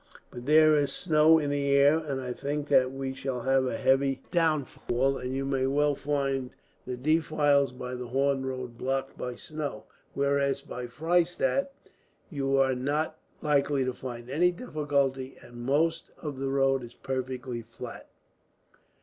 But there is snow in the air, and I think that we shall have a heavy downfall, and you may well find the defiles by the Horn road blocked by snow; whereas by Freystadt you are not likely to find any difficulty, and most of the road is perfectly flat."